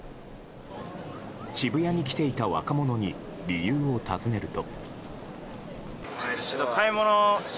渋谷に来ていた若者に理由を尋ねると。